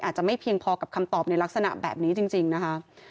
อาจจะไม่เพียงพอกับคำตอบในลักษณะแบบนี้จริงนะคะ